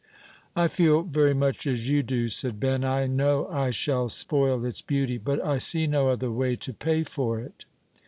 "I feel very much as you do," said Ben; "I know I shall spoil its beauty, but I see no other way to pay for it."